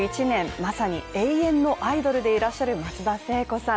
まさに永遠のアイドルでいらっしゃる松田聖子さん